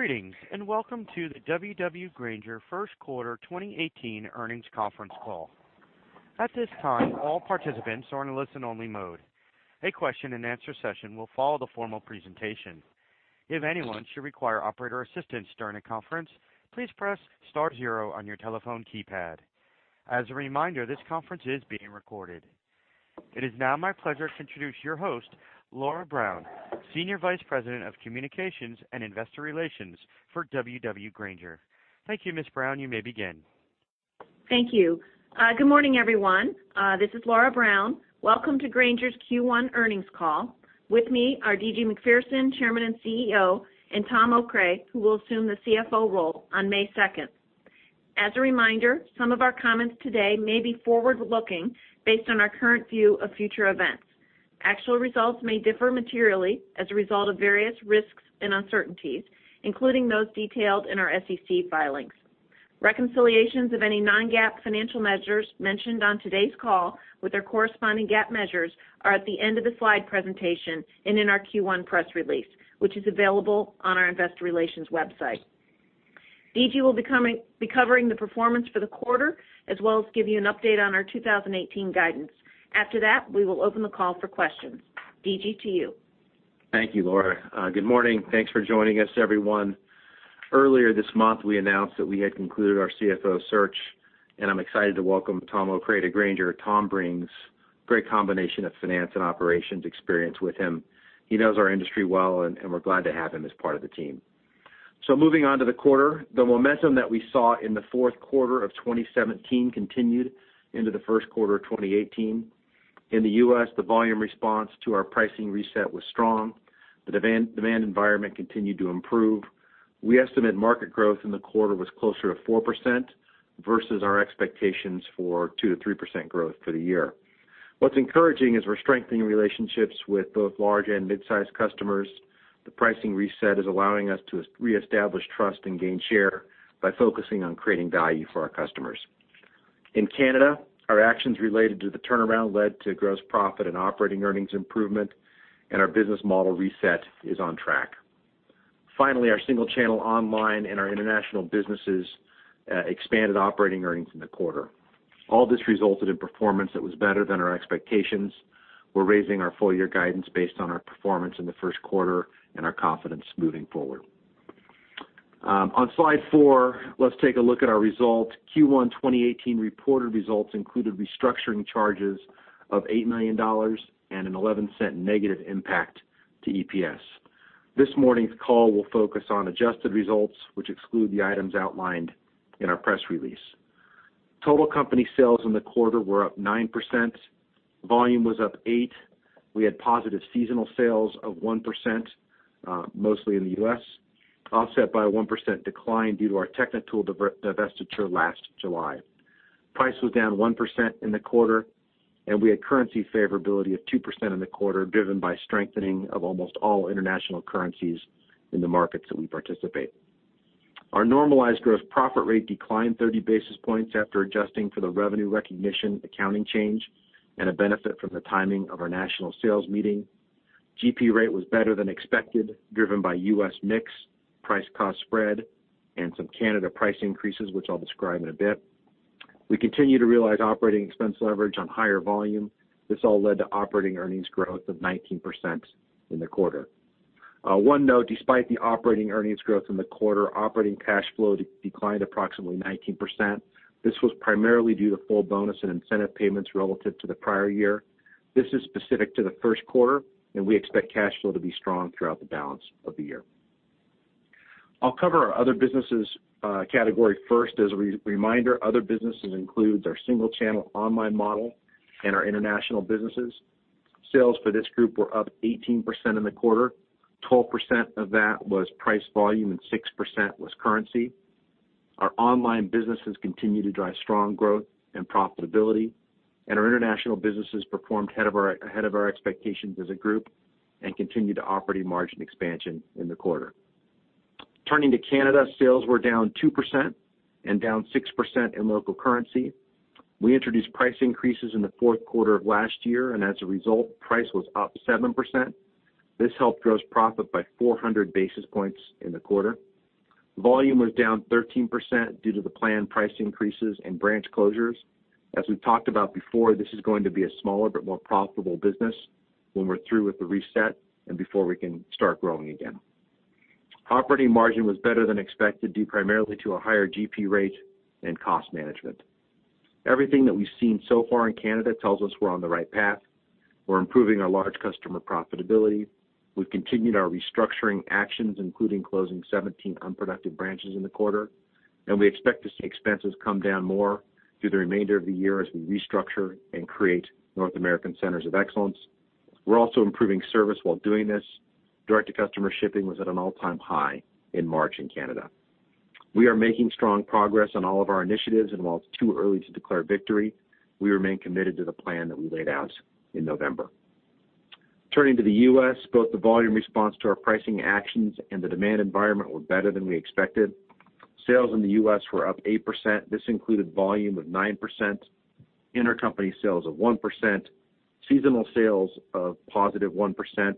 Greetings, and welcome to the W.W. Grainger first quarter 2018 earnings conference call. At this time, all participants are in a listen-only mode. A question-and-answer session will follow the formal presentation. If anyone should require operator assistance during the conference, please press star zero on your telephone keypad. As a reminder, this conference is being recorded. It is now my pleasure to introduce your host, Laura Brown, Senior Vice President of Communications and Investor Relations for W.W. Grainger. Thank you, Ms. Brown. You may begin. Thank you. Good morning, everyone. This is Laura Brown. Welcome to Grainger's Q1 earnings call. With me are D.G. Macpherson, Chairman and CEO, and Tom Okray, who will assume the CFO role on May 2nd. As a reminder, some of our comments today may be forward-looking based on our current view of future events. Actual results may differ materially as a result of various risks and uncertainties, including those detailed in our SEC filings. Reconciliations of any non-GAAP financial measures mentioned on today's call with their corresponding GAAP measures are at the end of the slide presentation and in our Q1 press release, which is available on our investor relations website. D.G. will be covering the performance for the quarter, as well as give you an update on our 2018 guidance. After that, we will open the call for questions. D.G., to you. Thank you, Laura. Good morning. Thanks for joining us, everyone. Earlier this month, we announced that we had concluded our CFO search, and I'm excited to welcome Tom Okray to Grainger. Tom brings great combination of finance and operations experience with him. He knows our industry well, and we're glad to have him as part of the team. Moving on to the quarter, the momentum that we saw in the fourth quarter of 2017 continued into the first quarter of 2018. In the U.S., the volume response to our pricing reset was strong. The demand environment continued to improve. We estimate market growth in the quarter was closer to 4% versus our expectations for 2%-3% growth for the year. What's encouraging is we're strengthening relationships with both large and mid-sized customers. The pricing reset is allowing us to reestablish trust and gain share by focusing on creating value for our customers. In Canada, our actions related to the turnaround led to gross profit and operating earnings improvement, and our business model reset is on track. Finally, our single channel online and our international businesses expanded operating earnings in the quarter. All this resulted in performance that was better than our expectations. We're raising our full year guidance based on our performance in the first quarter and our confidence moving forward. On slide 4, let's take a look at our results. Q1 2018 reported results included restructuring charges of $8 million and an $0.11 negative impact to EPS. This morning's call will focus on adjusted results, which exclude the items outlined in our press release. Total company sales in the quarter were up 9%. Volume was up eight. We had positive seasonal sales of 1%, mostly in the U.S., offset by a 1% decline due to our Techni-Tool divestiture last July. Price was down 1% in the quarter. We had currency favorability of 2% in the quarter, driven by strengthening of almost all international currencies in the markets that we participate. Our normalized gross profit rate declined 30 basis points after adjusting for the revenue recognition accounting change and a benefit from the timing of our national sales meeting. GP rate was better than expected, driven by U.S. mix, price-cost spread, and some Canada price increases, which I'll describe in a bit. We continue to realize operating expense leverage on higher volume. This all led to operating earnings growth of 19% in the quarter. One note, despite the operating earnings growth in the quarter, operating cash flow declined approximately 19%. This was primarily due to full bonus and incentive payments relative to the prior year. This is specific to the first quarter, and we expect cash flow to be strong throughout the balance of the year. I'll cover our other businesses category first. As a reminder, other businesses includes our single channel online model and our international businesses. Sales for this group were up 18% in the quarter. 12% of that was price volume and 6% was currency. Our online businesses continue to drive strong growth and profitability, and our international businesses performed ahead of our expectations as a group and continued operating margin expansion in the quarter. Turning to Canada, sales were down 2% and down 6% in local currency. We introduced price increases in the fourth quarter of last year, and as a result, price was up 7%. This helped gross profit by 400 basis points in the quarter. Volume was down 13% due to the planned price increases and branch closures. As we've talked about before, this is going to be a smaller but more profitable business when we're through with the reset and before we can start growing again. Operating margin was better than expected, due primarily to a higher GP rate and cost management. Everything that we've seen so far in Canada tells us we're on the right path. We're improving our large customer profitability. We've continued our restructuring actions, including closing 17 unproductive branches in the quarter, and we expect to see expenses come down more through the remainder of the year as we restructure and create North American centers of excellence. We're also improving service while doing this. Direct-to-customer shipping was at an all-time high in March in Canada. We are making strong progress on all of our initiatives, and while it's too early to declare victory, we remain committed to the plan that we laid out in November. Turning to the U.S., both the volume response to our pricing actions and the demand environment were better than we expected. Sales in the U.S. were up 8%. This included volume of 9%, intercompany sales of 1%, seasonal sales of positive 1%.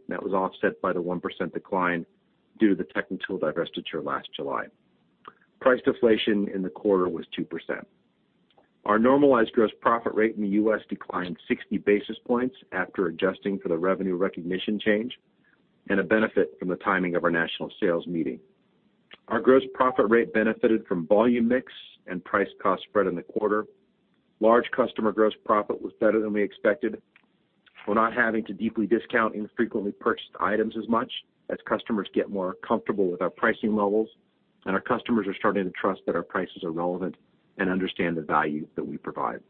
That was offset by the 1% decline due to the Techni-Tool divestiture last July. Price deflation in the quarter was 2%. Our normalized gross profit rate in the U.S. declined 60 basis points after adjusting for the revenue recognition change and a benefit from the timing of our national sales meeting. Our gross profit rate benefited from volume mix and price cost spread in the quarter. Large customer gross profit was better than we expected. We're not having to deeply discount infrequently purchased items as much as customers get more comfortable with our pricing levels, and our customers are starting to trust that our prices are relevant and understand the value that we provide.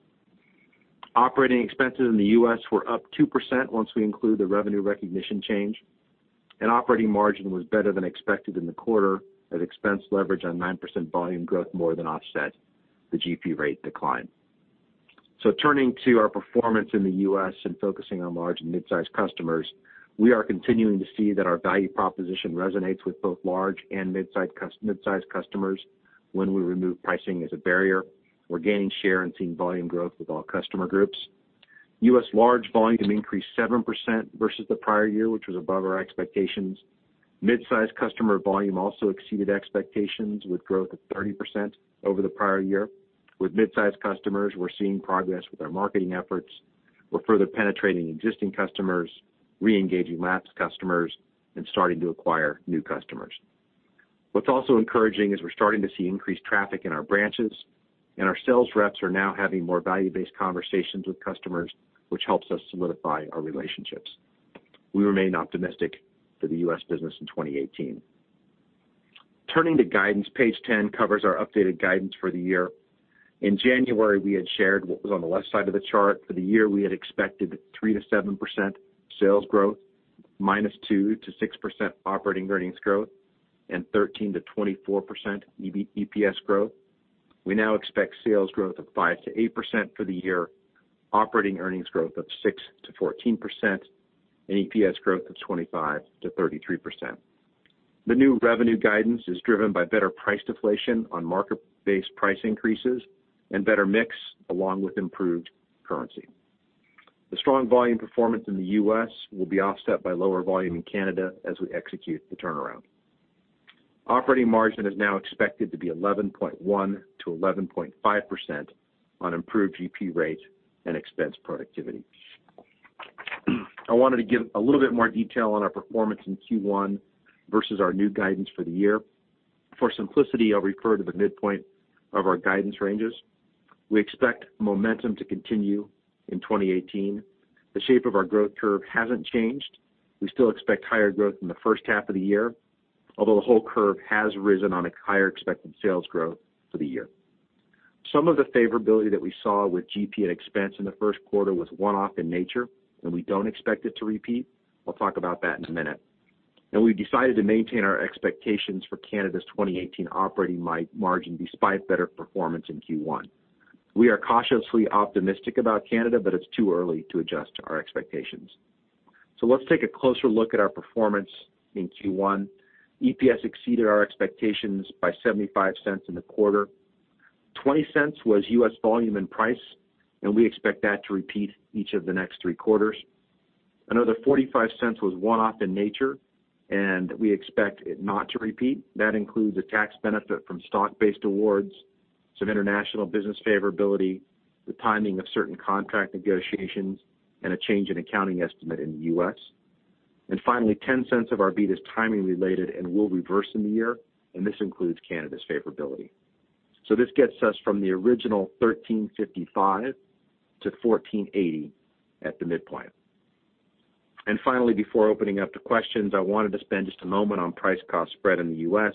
Operating expenses in the U.S. were up 2% once we include the revenue recognition change, operating margin was better than expected in the quarter as expense leverage on 9% volume growth more than offset the GP rate decline. Turning to our performance in the U.S. and focusing on large and mid-sized customers, we are continuing to see that our value proposition resonates with both large and mid-sized customers when we remove pricing as a barrier. We're gaining share and seeing volume growth with all customer groups. U.S. large volume increased 7% versus the prior year, which was above our expectations. Mid-sized customer volume also exceeded expectations with growth of 30% over the prior year. With mid-sized customers, we're seeing progress with our marketing efforts. We're further penetrating existing customers, re-engaging lapsed customers, and starting to acquire new customers. What's also encouraging is we're starting to see increased traffic in our branches, and our sales reps are now having more value-based conversations with customers, which helps us solidify our relationships. We remain optimistic for the U.S. business in 2018. Turning to guidance, page 10 covers our updated guidance for the year. In January, we had shared what was on the left side of the chart. For the year, we had expected 3%-7% sales growth, -2%-6% operating earnings growth, and 13%-24% EPS growth. We now expect sales growth of 5%-8% for the year, operating earnings growth of 6%-14%, and EPS growth of 25%-33%. The new revenue guidance is driven by better price deflation on market-based price increases and better mix along with improved currency. The strong volume performance in the U.S. will be offset by lower volume in Canada as we execute the turnaround. Operating margin is now expected to be 11.1%-11.5% on improved GP rates and expense productivity. I wanted to give a little bit more detail on our performance in Q1 versus our new guidance for the year. For simplicity, I'll refer to the midpoint of our guidance ranges. We expect momentum to continue in 2018. The shape of our growth curve hasn't changed. We still expect higher growth in the first half of the year, although the whole curve has risen on a higher expected sales growth for the year. Some of the favorability that we saw with GP and expense in the first quarter was one-off in nature, and we don't expect it to repeat. I'll talk about that in a minute. We decided to maintain our expectations for Canada's 2018 operating margin despite better performance in Q1. We are cautiously optimistic about Canada, but it's too early to adjust our expectations. Let's take a closer look at our performance in Q1. EPS exceeded our expectations by $0.75 in the quarter. $0.20 was U.S. volume and price. We expect that to repeat each of the next three quarters. Another $0.45 was one-off in nature. We expect it not to repeat. That includes a tax benefit from stock-based awards, some international business favorability, the timing of certain contract negotiations, and a change in accounting estimate in the U.S. Finally, $0.10 of our beat is timing related and will reverse in the year. This includes Canada's favorability. This gets us from the original $13.55-$14.80 at the midpoint. Finally, before opening up to questions, I wanted to spend just a moment on price cost spread in the U.S.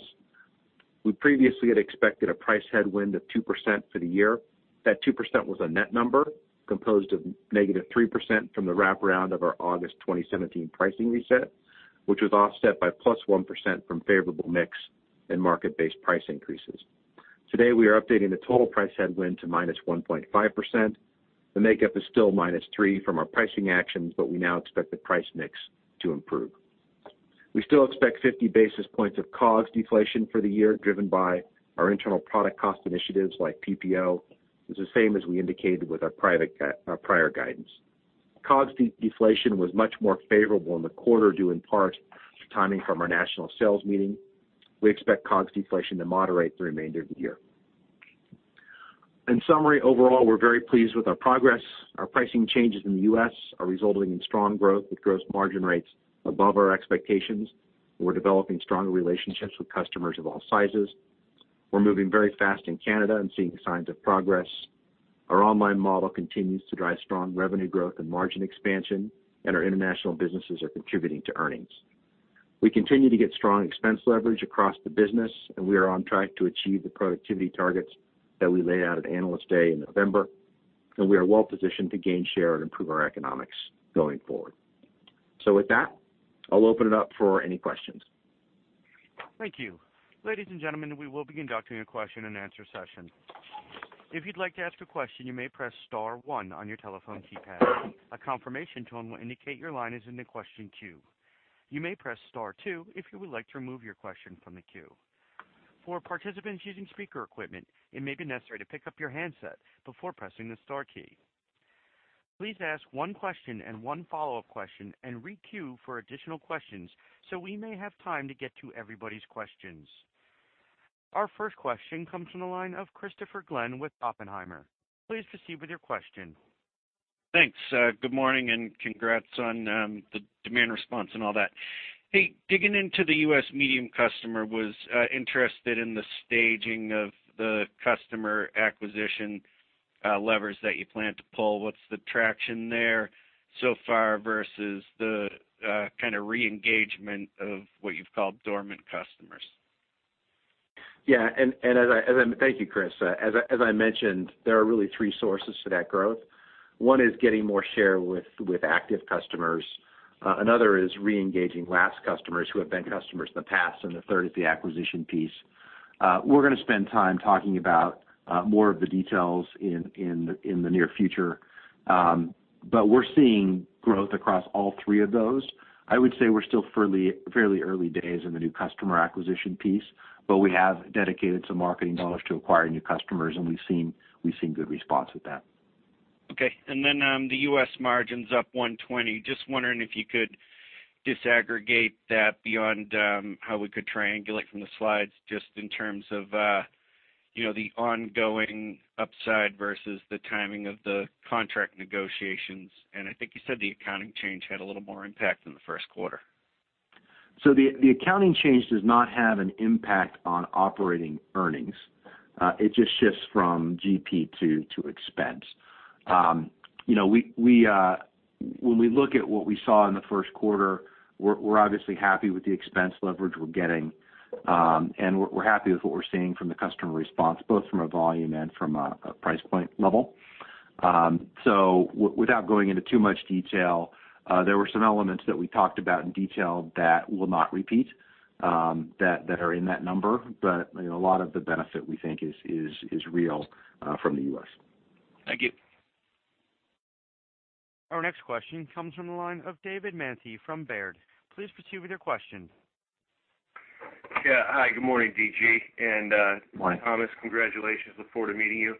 We previously had expected a price headwind of 2% for the year. That 2% was a net number composed of -3% from the wraparound of our August 2017 pricing reset, which was offset by +1% from favorable mix and market-based price increases. Today, we are updating the total price headwind to -1.5%. The makeup is still -3% from our pricing actions. We now expect the price mix to improve. We still expect 50 basis points of COGS deflation for the year, driven by our internal product cost initiatives like PPO. It's the same as we indicated with our prior guidance. COGS deflation was much more favorable in the quarter, due in part to timing from our national sales meeting. We expect COGS deflation to moderate the remainder of the year. In summary, overall, we're very pleased with our progress. Our pricing changes in the U.S. are resulting in strong growth with gross margin rates above our expectations. We're developing stronger relationships with customers of all sizes. We're moving very fast in Canada and seeing signs of progress. Our online model continues to drive strong revenue growth and margin expansion, and our international businesses are contributing to earnings. We continue to get strong expense leverage across the business, and we are on track to achieve the productivity targets that we laid out at Analyst Day in November, and we are well positioned to gain share and improve our economics going forward. With that, I'll open it up for any questions. Thank you. Ladies and gentlemen, we will be conducting a question and answer session. If you'd like to ask a question, you may press star one on your telephone keypad. A confirmation tone will indicate your line is in the question queue. You may press star two if you would like to remove your question from the queue. For participants using speaker equipment, it may be necessary to pick up your handset before pressing the star key. Please ask one question and one follow-up question and re-queue for additional questions so we may have time to get to everybody's questions. Our first question comes from the line of Christopher Glynn with Oppenheimer. Please proceed with your question. Thanks, good morning and congrats on the demand response and all that. Hey, digging into the U.S. medium customer, was interested in the staging of the customer acquisition levers that you plan to pull. What's the traction there so far versus the kinda re-engagement of what you've called dormant customers? Thank you, Chris. As I mentioned, there are really three sources to that growth. One is getting more share with active customers. Another is re-engaging lapsed customers who have been customers in the past, the third is the acquisition piece. We're gonna spend time talking about more of the details in the near future. We're seeing growth across all three of those. I would say we're still fairly early days in the new customer acquisition piece, but we have dedicated some marketing dollars to acquire new customers, we've seen good response with that. Okay, the U.S. margin's up $120. Just wondering if you could disaggregate that beyond how we could triangulate from the slides just in terms of, you know, the ongoing upside versus the timing of the contract negotiations? I think you said the accounting change had a little more impact than the 1st quarter. The accounting change does not have an impact on operating earnings. It just shifts from GP to expense. You know, we, when we look at what we saw in the first quarter, we're obviously happy with the expense leverage we're getting. And we're happy with what we're seeing from the customer response, both from a volume and from a price point level. Without going into too much detail, there were some elements that we talked about in detail that will not repeat, that are in that number. You know, a lot of the benefit, we think is real from the U.S. Thank you. Our next question comes from the line of David Manthey from Baird. Please proceed with your question. Yeah. Hi, good morning, D.G. Morning. Tom Okray, congratulations. Look forward to meeting you.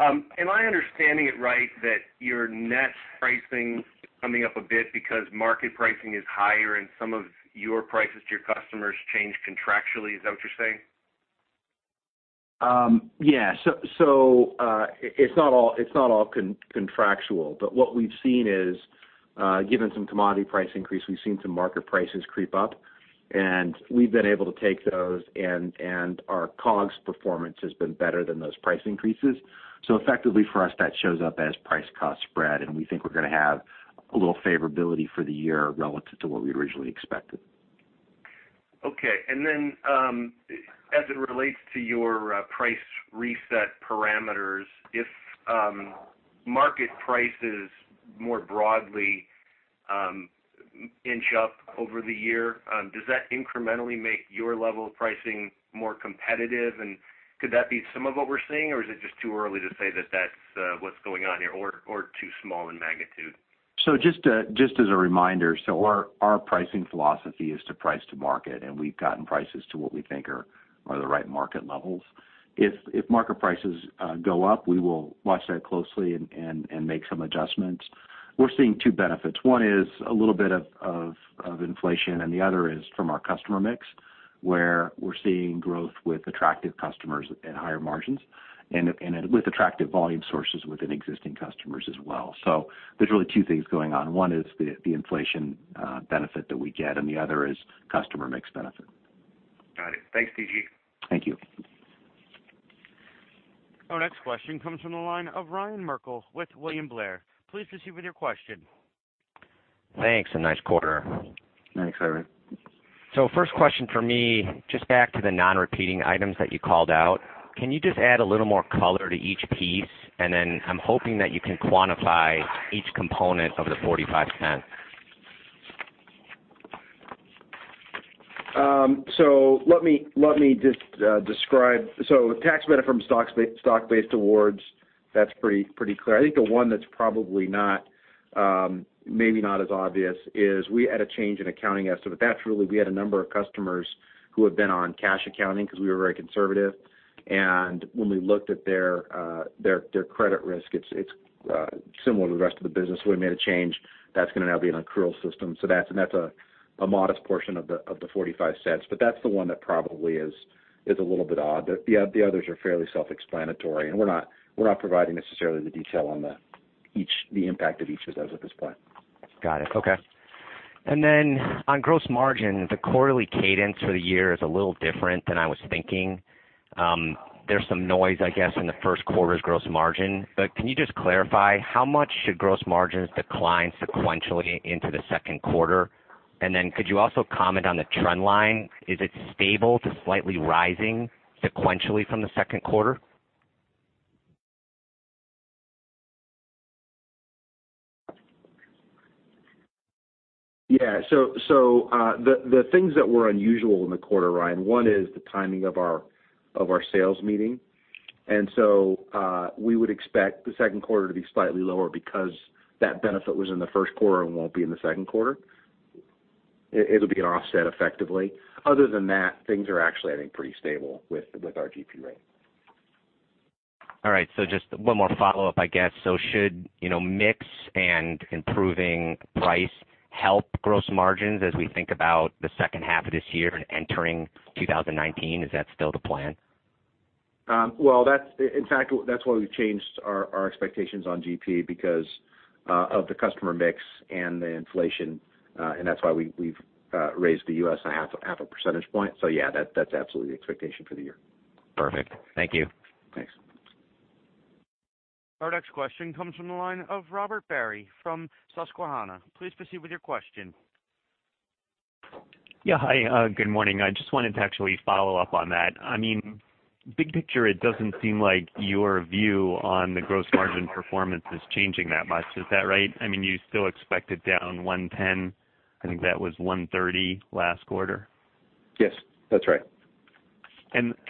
Am I understanding it right that your net pricing is coming up a bit because market pricing is higher and some of your prices to your customers change contractually? Is that what you're saying? Yeah. It's not all contractual, but what we've seen is, given some commodity price increase, we've seen some market prices creep up. We've been able to take those and our COGS performance has been better than those price increases. Effectively for us, that shows up as price cost spread, and we think we're gonna have a little favorability for the year relative to what we originally expected. Okay. As it relates to your price reset parameters, if market prices more broadly inch up over the year, does that incrementally make your level of pricing more competitive? Could that be some of what we're seeing, or is it just too early to say that that's what's going on here or too small in magnitude? Just as a reminder, our pricing philosophy is to price to market, and we've gotten prices to what we think are the right market levels. If market prices go up, we will watch that closely and make some adjustments. We're seeing two benefits. One is a little bit of inflation, and the other is from our customer mix, where we're seeing growth with attractive customers at higher margins and with attractive volume sources within existing customers as well. There's really two things going on. One is the inflation benefit that we get, and the other is customer mix benefit. Got it. Thanks, D.G. Thank you. Our next question comes from the line of Ryan Merkel with William Blair. Please proceed with your question. Thanks, and nice quarter. Thanks, Ryan. First question from me, just back to the non-repeating items that you called out. Can you just add a little more color to each piece? Then I'm hoping that you can quantify each component of the $0.45. Let me just describe tax benefit from stock-based awards, that's pretty clear. I think the one that's probably not, maybe not as obvious is we had a change in accounting estimate. That's really, we had a number of customers who had been on cash accounting because we were very conservative. When we looked at their credit risk, it's similar to the rest of the business. We made a change that's going to now be an accrual system. That's, and that's a modest portion of the, of the $0.45, but that's the one that probably is a little bit odd. The others are fairly self-explanatory, and we're not providing necessarily the detail on the impact of each of those at this point. Got it. Okay. On gross margin, the quarterly cadence for the year is a little different than I was thinking. There's some noise, I guess, in the first quarter's gross margin. Can you just clarify how much should gross margins decline sequentially into the second quarter? Could you also comment on the trend line? Is it stable to slightly rising sequentially from the second quarter? The things that were unusual in the quarter, Ryan, one is the timing of our sales meeting. We would expect the second quarter to be slightly lower because that benefit was in the first quarter and won't be in the second quarter. It'll be an offset effectively. Other than that, things are actually, I think, pretty stable with our GP rate. All right. Just one more follow-up, I guess. Should, you know, mix and improving price help gross margins as we think about the second half of this year and entering 2019? Is that still the plan? Well, that's why we've changed our expectations on GP because of the customer mix and the inflation. That's why we've raised the U.S. half a percentage point. Yeah, that's absolutely the expectation for the year. Perfect. Thank you. Thanks. Our next question comes from the line of Robert Barry from Susquehanna. Please proceed with your question. Hi, good morning. I just wanted to actually follow up on that. I mean, big picture, it doesn't seem like your view on the gross margin performance is changing that much. Is that right? I mean, you still expect it down 10. I think that was 30 last quarter. Yes, that's right.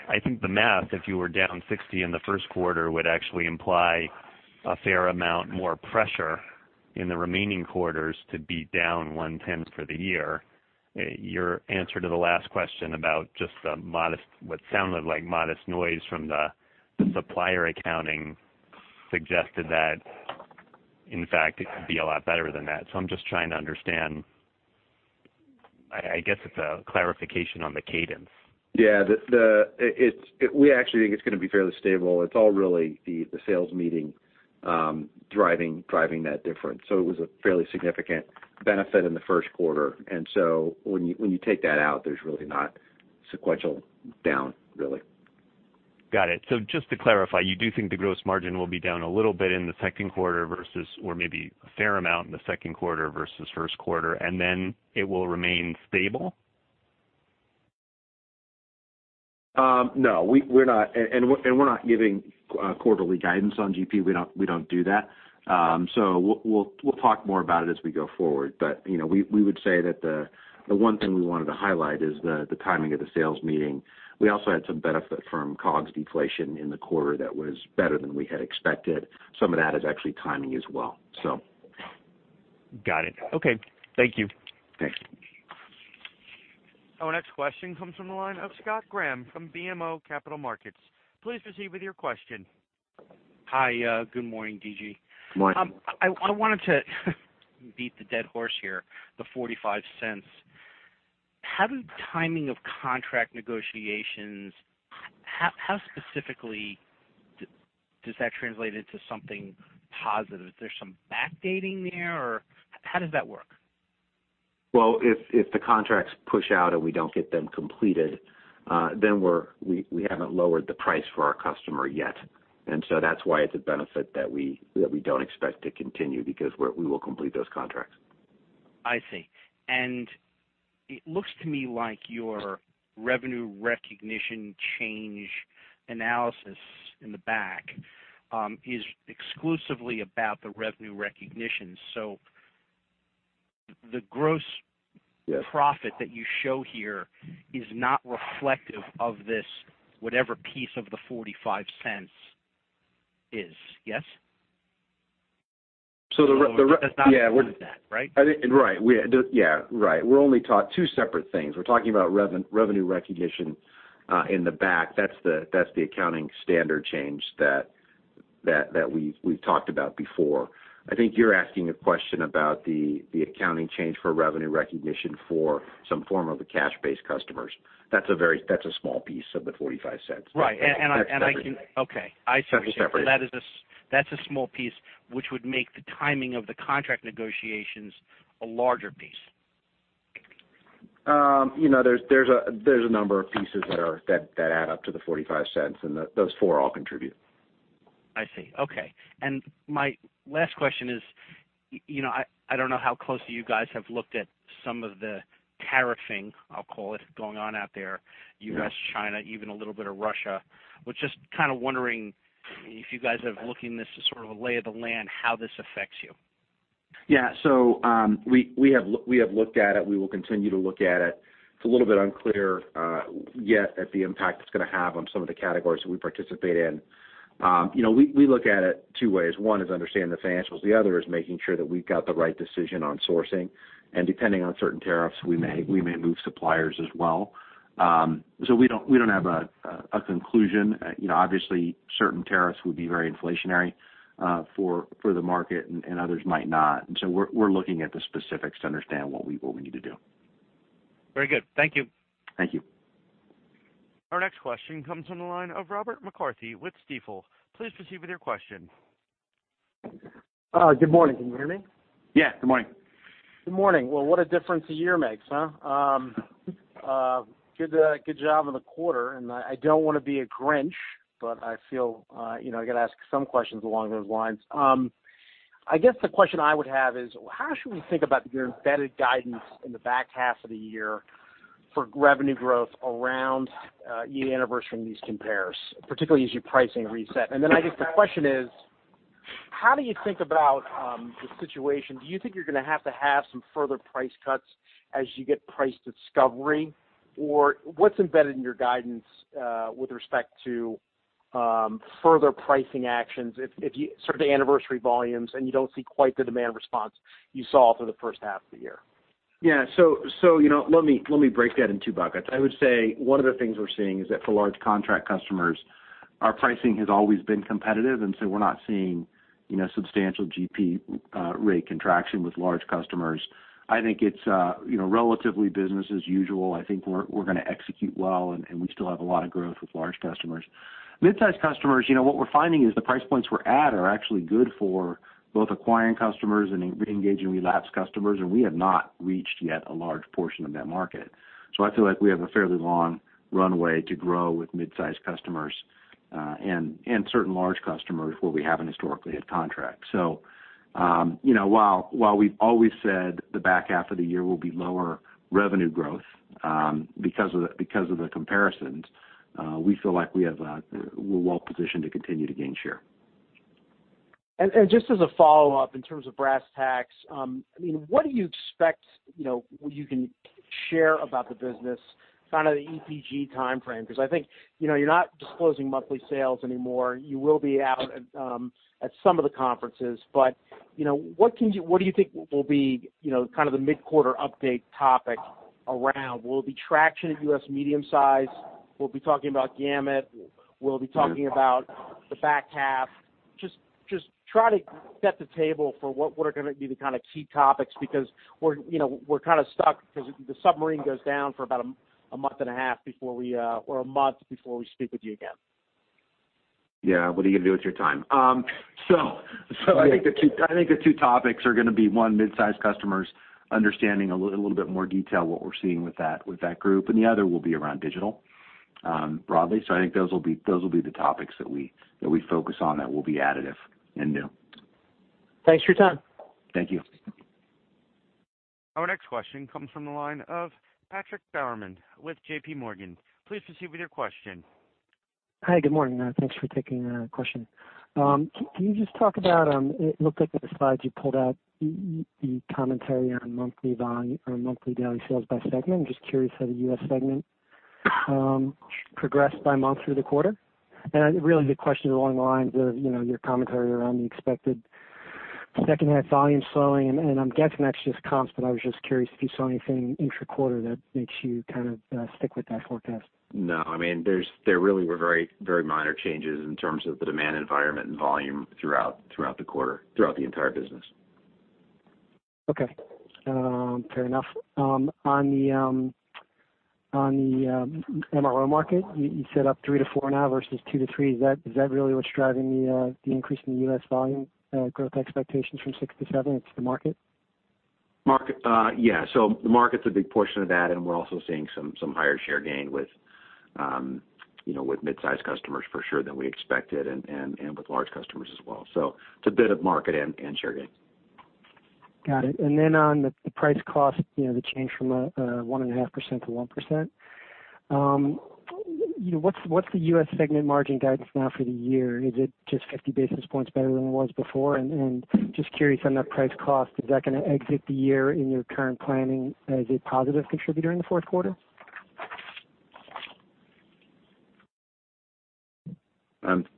I think the math, if you were down $60 in the first quarter, would actually imply a fair amount more pressure in the remaining quarters to be down $110 for the year. Your answer to the last question about just the modest, what sounded like modest noise from the supplier accounting suggested that, in fact, it could be a lot better than that. I'm just trying to understand. I guess it's a clarification on the cadence. Yeah. The we actually think it's gonna be fairly stable. It's all really the sales meeting, driving that difference. It was a fairly significant benefit in the first quarter. When you take that out, there's really not sequential down, really. Got it. Just to clarify, you do think the gross margin will be down a little bit in the second quarter or maybe a fair amount in the second quarter versus first quarter, and then it will remain stable? No. We're not, and we're not giving quarterly guidance on GP. We don't do that. We'll talk more about it as we go forward. You know, we would say that the one thing we wanted to highlight is the timing of the sales meeting. We also had some benefit from COGS deflation in the quarter that was better than we had expected. Some of that is actually timing as well. Got it. Okay. Thank you. Thanks. Our next question comes from the line of Scott Graham from BMO Capital Markets. Please proceed with your question. Hi. good morning, D.G.. Morning. I wanted to beat the dead horse here, the $0.45. How did timing of contract negotiations, how specifically does that translate into something positive? Is there some backdating there, or how does that work? Well, if the contracts push out and we don't get them completed, then we haven't lowered the price for our customer yet. That's why it's a benefit that we, that we don't expect to continue because we will complete those contracts. I see. It looks to me like your revenue recognition change analysis in the back, is exclusively about the revenue recognition. Yes The gross profit that you show here is not reflective of this, whatever piece of the $0.45 is, yes? So the re-- the re- That's not part of that, right? Right. We're only talking about two separate things. We're talking about revenue recognition in the back. That's the accounting standard change that we've talked about before. I think you're asking a question about the accounting change for revenue recognition for some form of the cash-based customers. That's a small piece of the $0.45. Right. And I. That's separate. Okay. I see. That's a separate piece. That's a small piece which would make the timing of the contract negotiations a larger piece. You know, there's a number of pieces that add up to the $0.45, and those four all contribute. I see. Okay. My last question is, you know, I don't know how closely you guys have looked at some of the tariffing, I'll call it, going on out there. Yeah. U.S., China, even a little bit of Russia. I was just kind of wondering if you guys are looking this as sort of a lay of the land, how this affects you? We have looked at it. We will continue to look at it. It's a little bit unclear yet at the impact it's gonna have on some of the categories that we participate in. You know, we look at it 2 ways. One is understanding the financials, the other is making sure that we've got the right decision on sourcing. Depending on certain tariffs, we may move suppliers as well. We don't have a conclusion. You know, obviously, certain tariffs would be very inflationary for the market and others might not. We're looking at the specifics to understand what we need to do. Very good. Thank you. Thank you. Our next question comes from the line of Robert McCarthy with Stifel. Please proceed with your question. Good morning. Can you hear me? Yeah. Good morning. Good morning. Well, what a difference a year makes, huh? Good job on the quarter. I don't wanna be a Grinch, but I feel, you know, I gotta ask some questions along those lines. I guess the question I would have is, how should we think about your embedded guidance in the back half of the year for revenue growth around year anniversary and these compares, particularly as your pricing reset? I guess the question is. How do you think about the situation? Do you think you're gonna have to have some further price cuts as you get price discovery? Or what's embedded in your guidance with respect to further pricing actions if you sort of the anniversary volumes and you don't see quite the demand response you saw for the first half of the year? You know, let me break that in 2 buckets. I would say one of the things we're seeing is that for large contract customers, our pricing has always been competitive, we're not seeing, you know, substantial GP rate contraction with large customers. I think it's, you know, relatively business as usual. I think we're gonna execute well, and we still have a lot of growth with large customers. Midsize customers, you know, what we're finding is the price points we're at are actually good for both acquiring customers and re-engaging relapsed customers, we have not reached yet a large portion of that market. I feel like we have a fairly long runway to grow with midsize customers, and certain large customers where we haven't historically had contracts. You know, while we've always said the back half of the year will be lower revenue growth, because of the, because of the comparisons, we feel like we're well positioned to continue to gain share. Just as a follow-up in terms of brass tacks, I mean, what do you expect, you know, you can share about the business kind of the EPG timeframe? I think, you know, you're not disclosing monthly sales anymore. You will be out at some of the conferences. You know, what do you think will be, you know, kind of the mid-quarter update topic around? Will it be traction of U.S. medium-size? We'll be talking about Gamut. We'll be talking about the back half. Just try to set the table for what were going to be the kind of key topics, because we're, you know, we're kind of stuck because the submarine goes down for about a month and a half before we or a month before we speak with you again. Yeah. What are you gonna do with your time? I think the two topics are gonna be, one, midsize customers, understanding a little bit more detail what we're seeing with that group, and the other will be around digital, broadly. I think those will be the topics that we focus on that will be additive and new. Thanks for your time. Thank you. Our next question comes from the line of Patrick Baumann with JPMorgan. Please proceed with your question. Hi, good morning. Thanks for taking a question. Can you just talk about, it looked like the slides you pulled out the commentary on monthly daily sales by segment. I'm just curious how the U.S. segment progressed by month through the quarter. Really the question along the lines of, you know, your commentary around the expected second half volume slowing, and I'm guessing that's just comps, but I was just curious if you saw anything intra-quarter that makes you kind of stick with that forecast. No. I mean, there really were very minor changes in terms of the demand environment and volume throughout the quarter, throughout the entire business. Okay. fair enough. on the, on the MRO market, you set up three-four now versus two-three. Is that really what's driving the increase in the U.S. volume, growth expectations from six-seven? It's the market? Market. Yeah. The market's a big portion of that, and we're also seeing some higher share gain with, you know, with midsize customers for sure than we expected and with large customers as well. It's a bit of market and share gain. Got it. On the price cost, you know, the change from a 1.5%-1%, you know, what's the U.S. segment margin guidance now for the year? Is it just 50 basis points better than it was before? Just curious on that price cost, is that going to exit the year in your current planning as a positive contributor in the fourth quarter?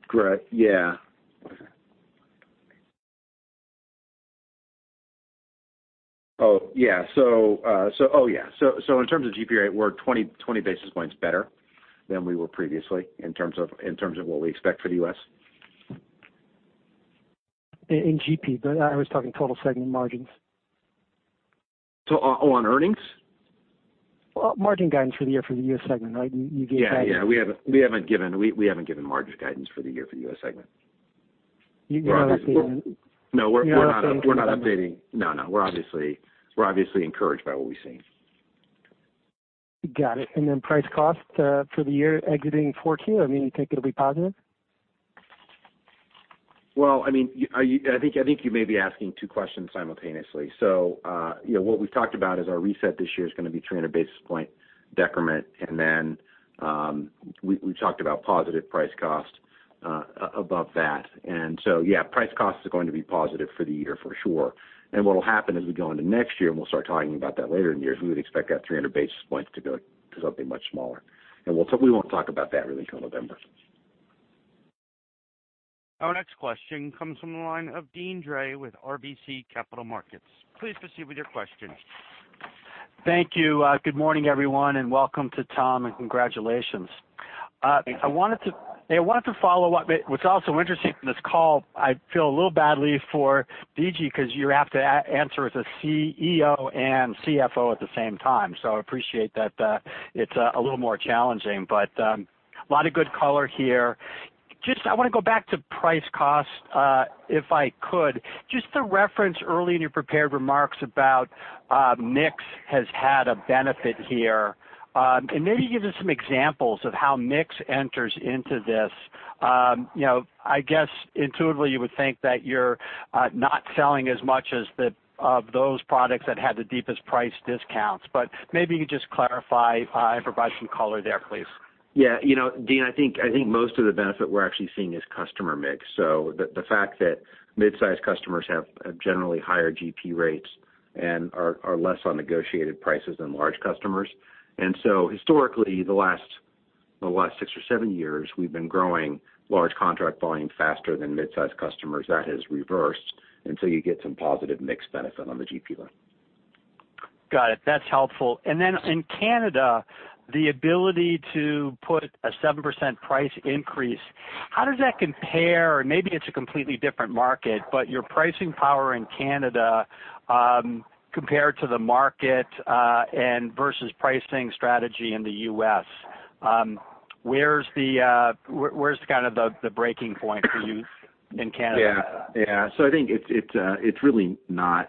Great. Yeah. In terms of GP rate, we're 20 basis points better than we were previously in terms of what we expect for the U.S. In GP, I was talking total segment margins. Oh, on earnings? Well, margin guidance for the year for the U.S. segment, right? You gave that- Yeah, yeah. We haven't given margin guidance for the year for the U.S. segment. You're not updating? No, we're not. You're not updating- We're not updating. No, no. We're obviously encouraged by what we've seen. Got it. Price cost, for the year exiting 4Q, I mean, you think it'll be positive? Well, I mean, I think you may be asking two questions simultaneously. You know, what we've talked about is our reset this year is gonna be 300 basis point decrement. We've talked about positive price cost above that. Yeah, price cost is going to be positive for the year for sure. What'll happen as we go into next year, and we'll start talking about that later in the year, is we would expect that 300 basis point to go to something much smaller. We won't talk about that really till November. Our next question comes from the line of Deane Dray with RBC Capital Markets. Please proceed with your question. Thank you. Good morning, everyone, and welcome to Tom, and congratulations. I wanted to follow up. What's also interesting from this call, I feel a little badly for D.G. because you have to answer as a CEO and CFO at the same time. I appreciate that, it's a little more challenging, but a lot of good color here. Just I wanna go back to price cost if I could. Just to reference early in your prepared remarks about mix has had a benefit here. Maybe give us some examples of how mix enters into this. You know, I guess intuitively you would think that you're not selling as much of those products that had the deepest price discounts, but maybe you could just clarify and provide some color there, please. Yeah. You know, Deane, I think most of the benefit we're actually seeing is customer mix. The fact that midsize customers have generally higher GP rates and are less on negotiated prices than large customers. Historically, the last six or seven years, we've been growing large contract volume faster than mid-sized customers. That has reversed, and so you get some positive mix benefit on the GP line. Got it. That's helpful. Then in Canada, the ability to put a 7% price increase, how does that compare? Maybe it's a completely different market, but your pricing power in Canada, compared to the market, and versus pricing strategy in the U.S., where's the breaking point for you in Canada? Yeah. Yeah. I think it's really not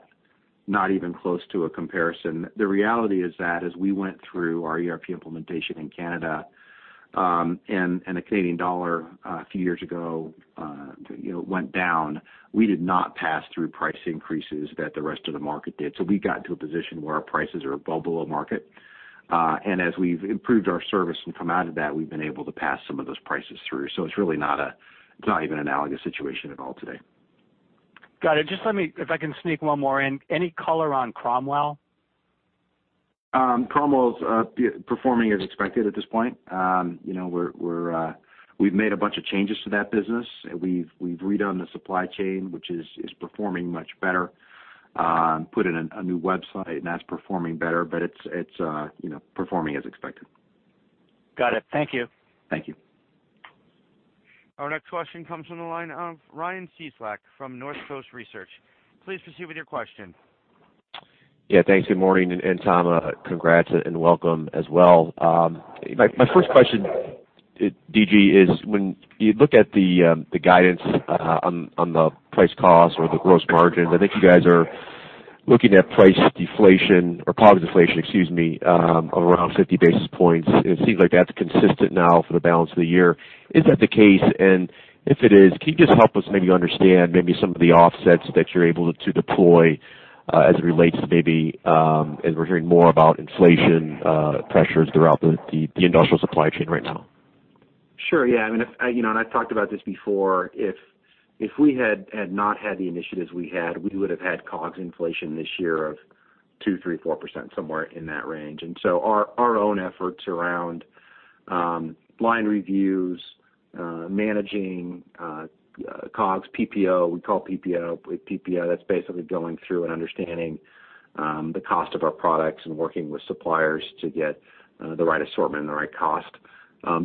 even close to a comparison. The reality is that as we went through our ERP implementation in Canada, and the Canadian dollar a few years ago, you know, went down, we did not pass through price increases that the rest of the market did. We got to a position where our prices are below market. As we've improved our service and come out of that, we've been able to pass some of those prices through. It's really not even analogous situation at all today. Got it. Just if I can sneak one more in. Any color on Cromwell? Cromwell is performing as expected at this point. You know, we've made a bunch of changes to that business. We've redone the supply chain, which is performing much better, and put in a new website. That's performing better. It's, you know, performing as expected. Got it. Thank you. Thank you. Our next question comes from the line of Ryan Cieslak from Northcoast Research. Please proceed with your question. Thanks. Good morning, and Tom, congrats and welcome as well. My first question, D.G., is when you look at the guidance on the price cost or the gross margins, I think you guys are looking at price deflation or COGS deflation, excuse me, around 50 basis points. It seems like that's consistent now for the balance of the year. Is that the case? If it is, can you just help us maybe understand maybe some of the offsets that you're able to deploy as it relates to maybe as we're hearing more about inflation pressures throughout the industrial supply chain right now? Sure, yeah. I mean, you know, and I've talked about this before. If we had not had the initiatives we had, we would have had COGS inflation this year of 2%, 3%, 4%, somewhere in that range. Our own efforts around line reviews, managing COGS, PPO, we call PPO. With PPO, that's basically going through and understanding the cost of our products and working with suppliers to get the right assortment and the right cost.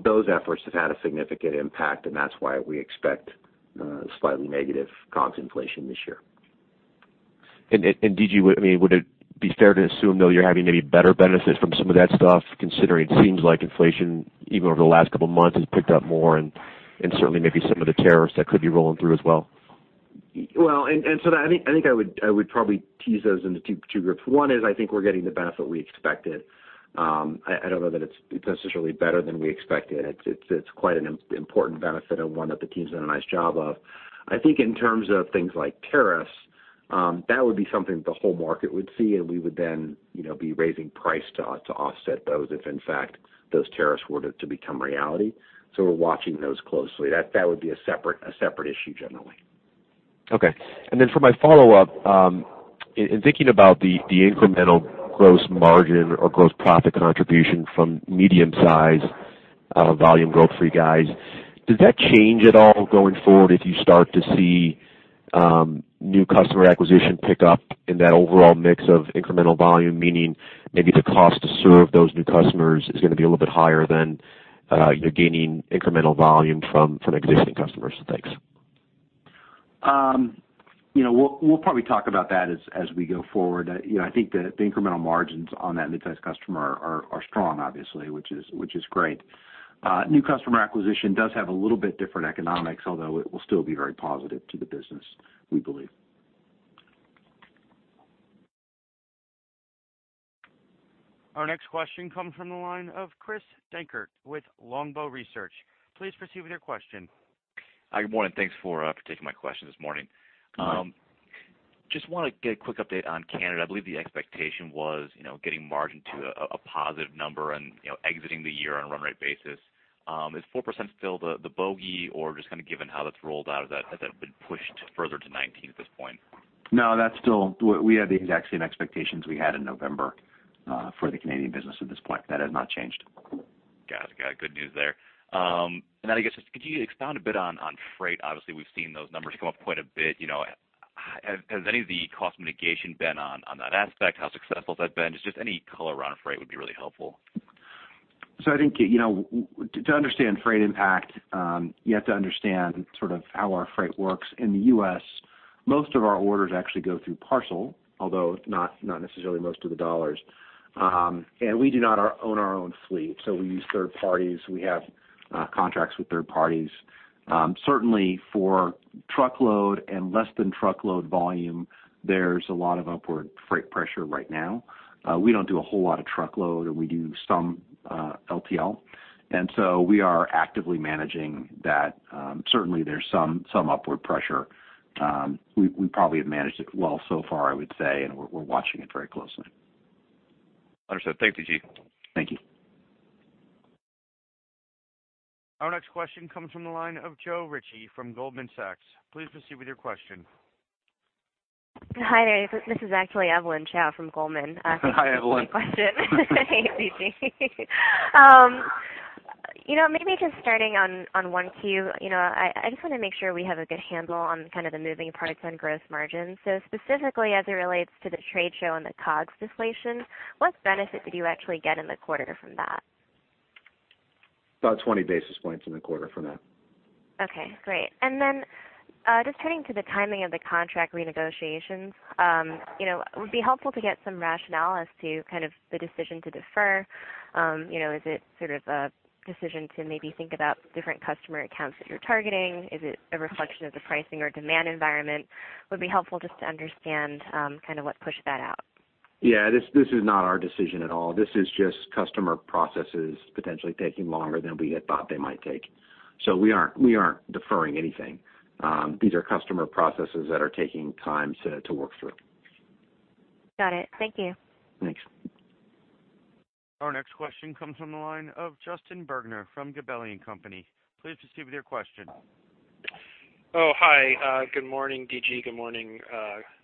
Those efforts have had a significant impact, and that's why we expect slightly negative COGS inflation this year. D.G., I mean, would it be fair to assume, though, you're having maybe better benefits from some of that stuff, considering it seems like inflation, even over the last couple of months, has picked up more and certainly maybe some of the tariffs that could be rolling through as well? I would probably tease those into two groups. One is, I think we're getting the benefit we expected. I don't know that it's necessarily better than we expected. It's quite an important benefit and one that the team's done a nice job of. I think in terms of things like tariffs, that would be something the whole market would see, and we would then, you know, be raising price to offset those if, in fact, those tariffs were to become reality. We're watching those closely. That would be a separate issue, generally. Okay. For my follow-up, in thinking about the incremental gross margin or gross profit contribution from medium-sized, volume growth for you guys, does that change at all going forward if you start to see, new customer acquisition pick up in that overall mix of incremental volume? Meaning maybe the cost to serve those new customers is gonna be a little bit higher than, you're gaining incremental volume from existing customers. Thanks. You know, we'll probably talk about that as we go forward. You know, I think the incremental margins on that mid-sized customer are strong, obviously, which is great. New customer acquisition does have a little bit different economics, although it will still be very positive to the business, we believe. Our next question comes from the line of Chris Dankert with Longbow Research. Please proceed with your question. Hi, good morning. Thanks for taking my question this morning. You got it. Just wanna get a quick update on Canada. I believe the expectation was, you know, getting margin to a positive number and, you know, exiting the year on a run rate basis. Is 4% still the bogey, or just kinda given how that's rolled out, has that been pushed further to 19% at this point? No, we have the exact same expectations we had in November for the Canadian business at this point. That has not changed. Got it. Got good news there. I guess, could you expound a bit on freight? Obviously, we've seen those numbers come up quite a bit. You know, has any of the cost mitigation been on that aspect? How successful has that been? Just any color around freight would be really helpful. I think, you know, to understand freight impact, you have to understand sort of how our freight works. In the U.S., most of our orders actually go through parcel, although not necessarily most of the dollars. We do not own our own fleet, so we use third parties. We have contracts with third parties. Certainly for truckload and less than truckload volume, there's a lot of upward freight pressure right now. We don't do a whole lot of truckload. We do some LTL. We are actively managing that. Certainly, there's some upward pressure. We probably have managed it well so far, I would say, and we're watching it very closely. Understood. Thank you, D.G. Thank you. Our next question comes from the line of Joe Ritchie from Goldman Sachs. Please proceed with your question. Hi there. This is actually Evelyn Chow from Goldman. Hi, Evelyn. Hey, D.G. You know, maybe just starting on 1Q. You know, I just wanna make sure we have a good handle on kind of the moving parts on gross margin. Specifically as it relates to the trade show and the COGS deflation, what benefit did you actually get in the quarter from that? About 20 basis points in the quarter from that. Okay, great. Just turning to the timing of the contract renegotiations, you know, it would be helpful to get some rationale as to kind of the decision to defer. you know, is it sort of a decision to maybe think about different customer accounts that you're targeting? Is it a reflection of the pricing or demand environment? Would be helpful just to understand, kind of what pushed that out. Yeah. This is not our decision at all. This is just customer processes potentially taking longer than we had thought they might take. We aren't deferring anything. These are customer processes that are taking time to work through. Got it. Thank you. Thanks. Our next question comes from the line of Justin Bergner from Gabelli & Company. Please proceed with your question. Oh, hi. Good morning, D.G.. Good morning,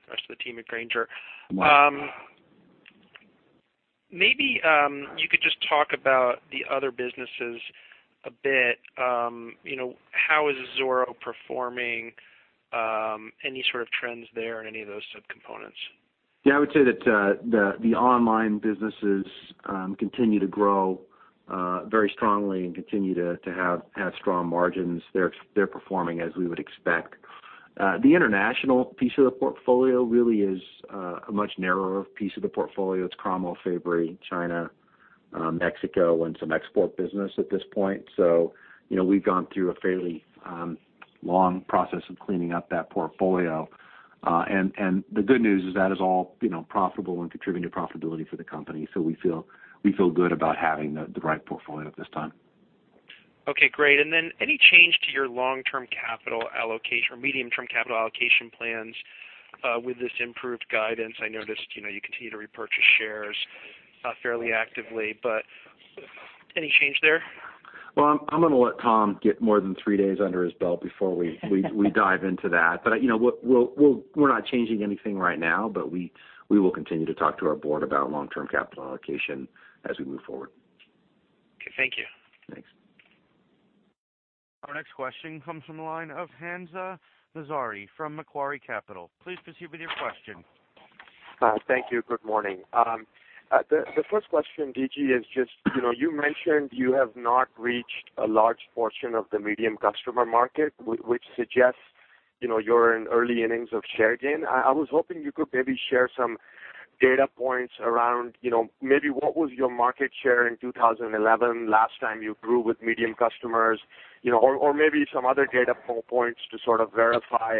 rest of the team at Grainger. Maybe you could just talk about the other businesses a bit. You know, how is Zoro performing? Any sort of trends there in any of those subcomponents? Yeah. I would say that the online businesses continue to grow very strongly and continue to have strong margins. They're performing as we would expect. The international piece of the portfolio really is a much narrower piece of the portfolio. It's Cromwell, Fabory, China, Mexico, and some export business at this point. You know, we've gone through a fairly long process of cleaning up that portfolio. The good news is that is all, you know, profitable and contributing to profitability for the company. We feel good about having the right portfolio at this time. Okay, great. Then any change to your long-term capital allocation or medium-term capital allocation plans with this improved guidance? I noticed, you know, you continue to repurchase shares fairly actively, but any change there? Well, I'm gonna let Tom get more than three days under his belt before we dive into that. You know, we're not changing anything right now, but we will continue to talk to our board about long-term capital allocation as we move forward. Okay, thank you. Thanks. Our next question comes from the line of Hamza Mazari from Macquarie Capital. Please proceed with your question. Thank you. Good morning. The first question, D.G., is just, you know, you mentioned you have not reached a large portion of the medium customer market, which suggests, you know, you're in early innings of share gain. I was hoping you could maybe share some data points around, you know, maybe what was your market share in 2011, last time you grew with medium customers, you know, or maybe some other data points to sort of verify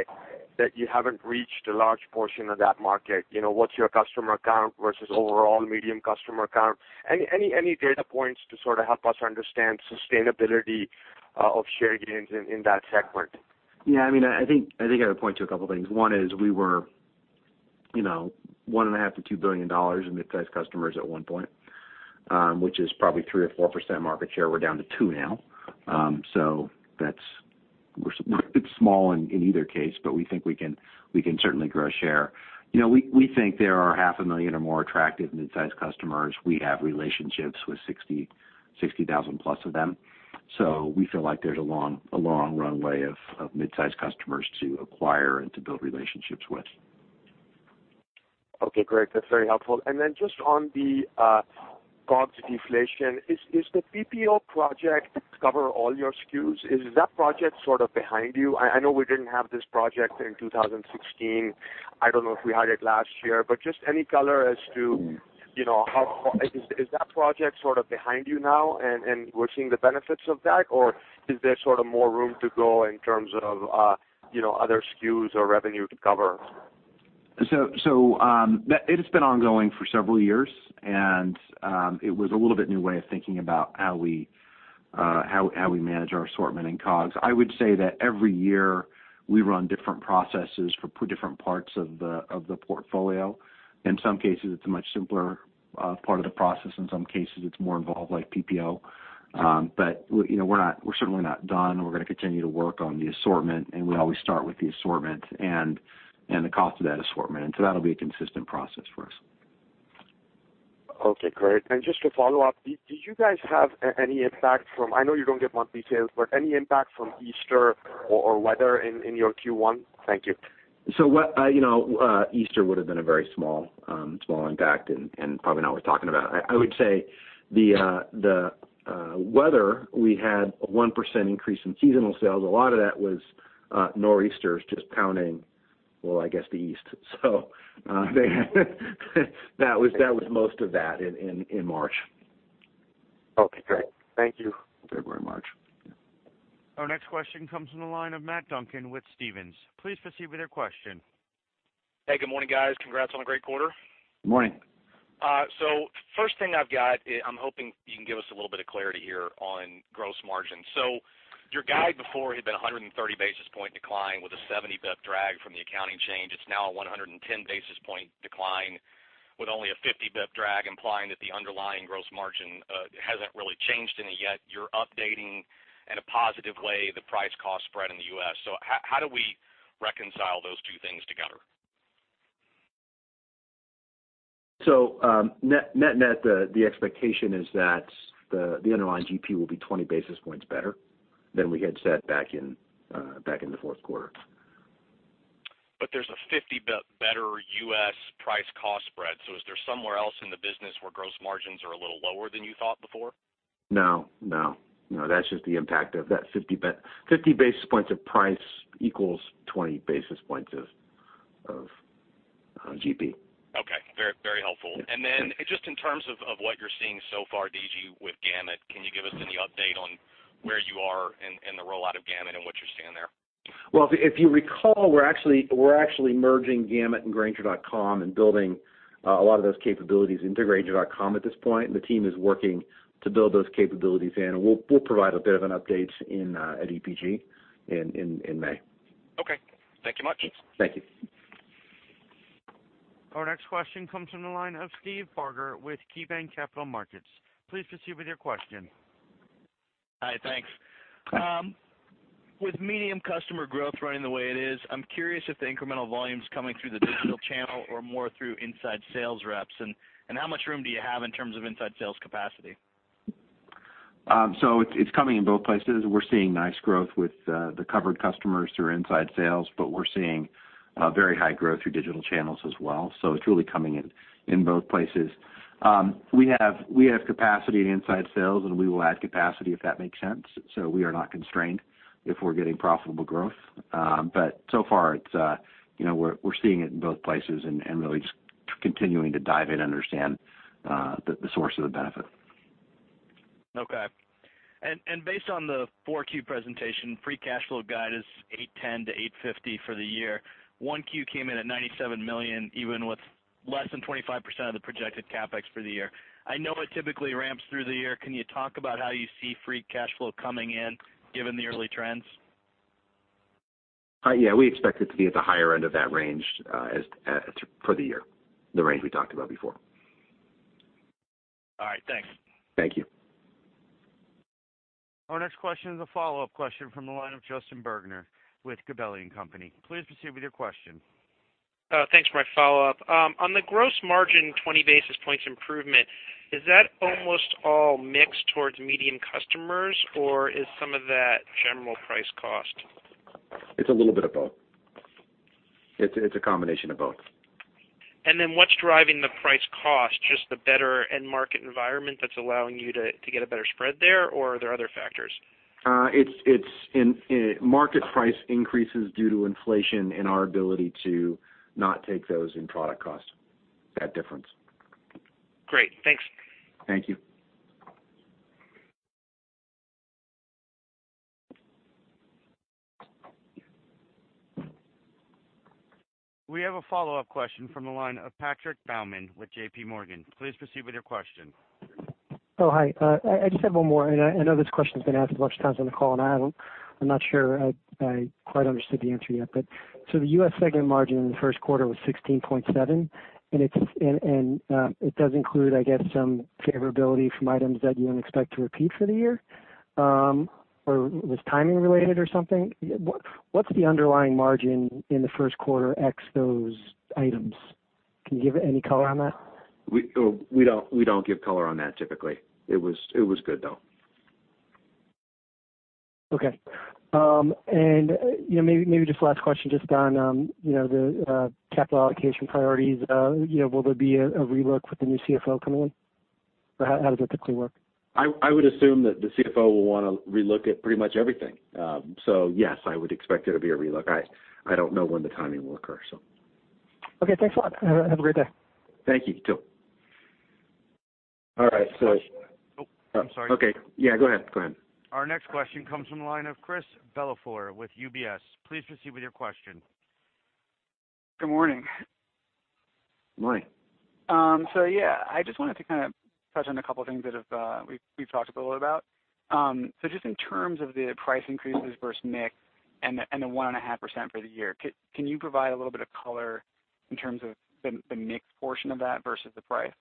that you haven't reached a large portion of that market. You know, what's your customer count versus overall medium customer count? Any data points to sort of help us understand sustainability of share gains in that segment? Yeah. I mean, I think I would point to a couple things. One is we were, you know, $1.5 billion-$2 billion in midsize customers at one point, which is probably 3% or 4% market share. We're down to $2 billion now. It's small in either case, but we think we can certainly grow share. You know, we think there are half a million or more attractive midsize customers. We have relationships with 60,000 plus of them. We feel like there's a long runway of midsize customers to acquire and to build relationships with. Okay, great. That's very helpful. Then just on the COGS deflation, is the PPO project cover all your SKUs? Is that project sort of behind you? I know we didn't have this project in 2016. I don't know if we had it last year. Just any color as to, you know, is that project sort of behind you now and we're seeing the benefits of that? Or is there sort of more room to go in terms of, you know, other SKUs or revenue to cover? It has been ongoing for several years, and it was a little bit new way of thinking about how we manage our assortment in COGS. I would say that every year we run different processes for different parts of the portfolio. In some cases, it's a much simpler part of the process. In some cases, it's more involved like PPO. You know, we're certainly not done. We're gonna continue to work on the assortment, and we always start with the assortment and the cost of that assortment. That'll be a consistent process for us. Okay, great. Just to follow up, did you guys have any impact from I know you don't give month details, but any impact from Easter or weather in your Q1? Thank you. You know, Easter would have been a very small impact and probably not worth talking about. I would say the weather, we had a 1% increase in seasonal sales. A lot of that was Nor'easters just pounding, well, I guess, the east. That was most of that in March. Okay, great. Thank you. February, March. Yeah. Our next question comes from the line of Matt Duncan with Stephens. Please proceed with your question. Hey, good morning, guys. Congrats on a great quarter. Good morning. First thing I've got, I'm hoping you can give us a little bit of clarity here on gross margin. Your guide before had been a 130 basis point decline with a 70 bip drag from the accounting change. It's now a 110 basis point decline. With only a 50 basis point drag implying that the underlying gross margin hasn't really changed any yet, you're updating in a positive way the price cost spread in the U.S. How, how do we reconcile those two things together? Net, the expectation is that the underlying GP will be 20 basis points better than we had set back in the fourth quarter. There's a 50 basis points better U.S. price cost spread. Is there somewhere else in the business where gross margins are a little lower than you thought before? No, no. No, that's just the impact of that 50 basis points of price equals 20 basis points of GP. Okay. Very helpful. Just in terms of what you're seeing so far, D.G. with Gamut, can you give us any update on where you are in the rollout of Gamut and what you're seeing there? Well, if you recall, we're actually merging Gamut and grainger.com and building a lot of those capabilities into grainger.com at this point. The team is working to build those capabilities in. We'll provide a bit of an update at EPG in May. Okay. Thank you much. Thank you. Our next question comes from the line of Steve Barger with KeyBanc Capital Markets. Please proceed with your question. Hi, thanks. With medium customer growth running the way it is, I'm curious if the incremental volume is coming through the digital channel or more through inside sales reps, and how much room do you have in terms of inside sales capacity? It's coming in both places. We're seeing nice growth with the covered customers through inside sales, but we're seeing very high growth through digital channels as well. It's really coming in both places. We have capacity in inside sales, and we will add capacity if that makes sense. We are not constrained if we're getting profitable growth. So far it's, you know, we're seeing it in both places and really just continuing to dive in, understand the source of the benefit. Okay. Based on the 4Q presentation, free cash flow guide is $810-$850 for the year. Q1 came in at $97 million, even with less than 25% of the projected CapEx for the year. I know it typically ramps through the year. Can you talk about how you see free cash flow coming in given the early trends? We expect it to be at the higher end of that range, as for the year, the range we talked about before. All right. Thanks. Thank you. Our next question is a follow-up question from the line of Justin Bergner with Gabelli & Company. Please proceed with your question. Thanks for my follow-up. On the gross margin 20 basis points improvement, is that almost all mixed towards medium customers, or is some of that general price cost? It's a little bit of both. It's a combination of both. What's driving the price cost? Just the better end market environment that's allowing you to get a better spread there, or are there other factors? it's in market price increases due to inflation and our ability to not take those in product cost, that difference. Great. Thanks. Thank you. We have a follow-up question from the line of Patrick Baumann with JPMorgan. Please proceed with your question. Oh, hi. I just have one more. I know this question's been asked a bunch of times on the call. I'm not sure I quite understood the answer yet. The U.S. segment margin in the first quarter was 16.7, and it does include, I guess, some favorability from items that you don't expect to repeat for the year, or was timing related or something. What's the underlying margin in the first quarter X those items? Can you give any color on that? Well, we don't give color on that typically. It was good, though. Okay. you know, maybe just last question just on, you know, the capital allocation priorities. you know, will there be a relook with the new CFO coming in? Or how does that typically work? I would assume that the CFO will wanna relook at pretty much everything. Yes, I would expect there to be a relook. I don't know when the timing will occur. Okay. Thanks a lot. Have a great day. Thank you, too. All right. Oh, I'm sorry. Okay. Yeah, go ahead. Our next question comes from the line of Chris Bellefluer with UBS. Please proceed with your question. Good morning. Morning. Yeah, I just wanted to kind of touch on a couple of things that have, we've talked a little about. Just in terms of the price increases versus mix and the, and the one and a half % for the year, can you provide a little bit of color in terms of the mix portion of that versus the price?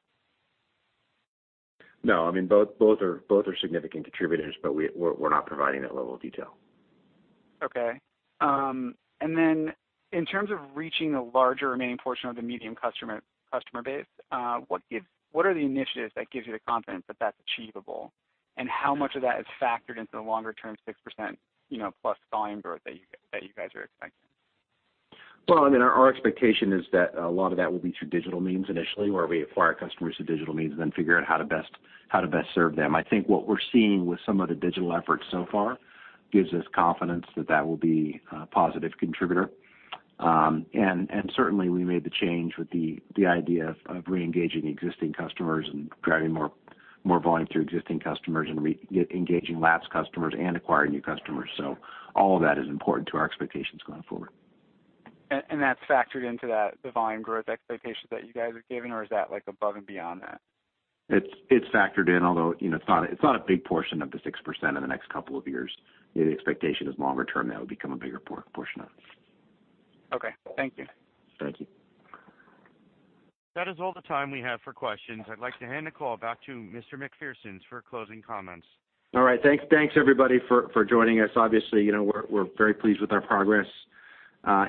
No, I mean, both are significant contributors, but we're not providing that level of detail. Okay. In terms of reaching a larger remaining portion of the medium customer base, what are the initiatives that gives you the confidence that that's achievable? How much of that is factored into the longer-term 6%, you know, plus volume growth that you guys are expecting? Well, I mean, our expectation is that a lot of that will be through digital means initially, where we acquire customers through digital means, then figure out how to best serve them. I think what we're seeing with some of the digital efforts so far gives us confidence that that will be a positive contributor. Certainly we made the change with the idea of re-engaging existing customers and driving more volume through existing customers and re-engaging lapsed customers and acquiring new customers. All of that is important to our expectations going forward. That's factored into that, the volume growth expectations that you guys are giving or is that like above and beyond that? It's factored in, although, you know, it's not a big portion of the 6% in the next couple of years. The expectation is longer term, that would become a bigger portion of it. Okay. Thank you. Thank you. That is all the time we have for questions. I'd like to hand the call back to Mr. Macpherson for closing comments. All right. Thanks everybody for joining us. Obviously, you know, we're very pleased with our progress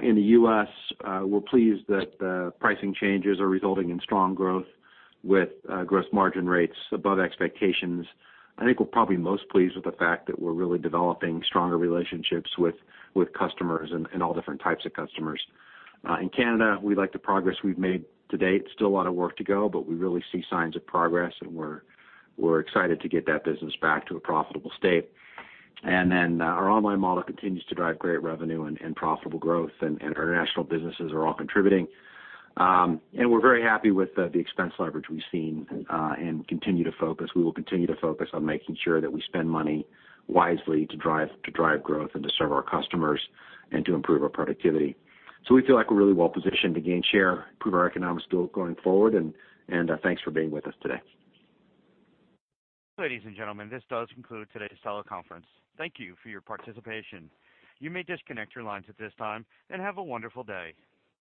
in the U.S. We're pleased that the pricing changes are resulting in strong growth with gross margin rates above expectations. I think we're probably most pleased with the fact that we're really developing stronger relationships with customers and all different types of customers. In Canada, we like the progress we've made to date. Still a lot of work to go. We really see signs of progress, and we're excited to get that business back to a profitable state. Our online model continues to drive great revenue and profitable growth, and our international businesses are all contributing. We're very happy with the expense leverage we've seen and continue to focus. We will continue to focus on making sure that we spend money wisely to drive growth and to serve our customers and to improve our productivity. We feel like we're really well positioned to gain share, improve our economics going forward, and thanks for being with us today. Ladies and gentlemen, this does conclude today's teleconference. Thank you for your participation. You may disconnect your lines at this time, and have a wonderful day.